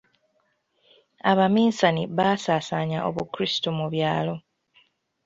Abaminsani baasaasaanya obukrisitu mu byalo.